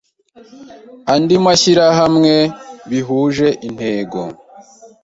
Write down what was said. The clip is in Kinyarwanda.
andi mashyirahamamwe bihuje intego